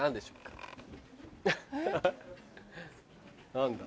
何だ？